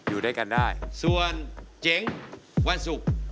อยู่ด้วยกันได้ส่วนเจ๋งวันศุกร์